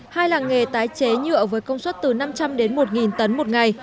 hai làng nghề tái chế nhựa với công suất từ năm trăm linh đến một tấn một ngày